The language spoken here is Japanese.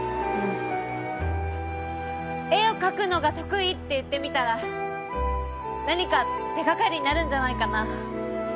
絵を描くのが得意って言ってみたら何か手がかりになるんじゃないかな？